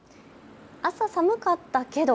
朝、寒かったけど。